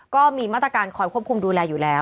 ก็มีมาตรการคอยควบคุมดูแลอยู่แล้ว